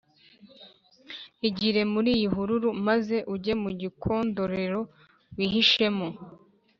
igire muri iyi hururu, maze ujye mu gikondorero wihishemo."